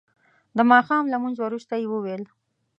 د ماښام لمونځ وروسته یې وویل.